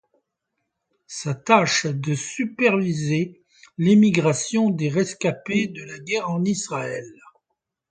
Sa tache est de superviser l'émigration des rescapés de la Guerre en Israël.